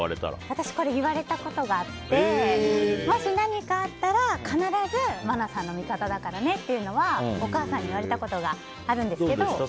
私これ言われたことがあってもし何かあったら必ず真奈さんの味方だからねってお母さんに言われたことがあるんですけど。